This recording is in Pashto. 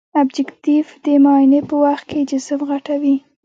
ابجکتیف د معاینې په وخت کې جسم غټوي.